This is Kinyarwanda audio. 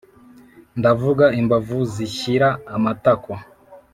ndavuga imbavu zishyira amatako